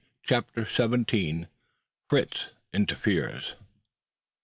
CHAPTER SEVENTEEN. FRITZ INTERFERES.